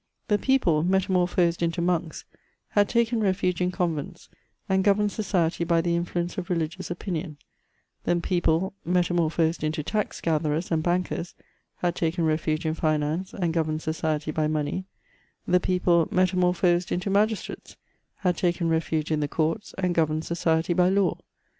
The people, metamorphosed into monks, had taken refuge in convents, and governed society by the influence of religious opinion ; the people, metamorphosed into tax gatherers and bankers, had taken refuge in finance, and governed society by money ; the people, metamorphosed into magistrates, had taken refuge in the courts, and governed society by law.